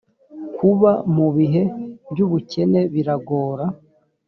kuba mu bihe by ubukene biragora